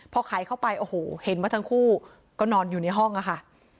พอไขเข้าไปโอ้โหเห็นว่าทั้งคู่ก็นอนอยู่ในห้องอะค่ะ